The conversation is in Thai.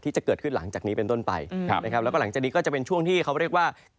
ที่จะเกิดขึ้นหลังจากนี้เป็นต้นไปนะครับ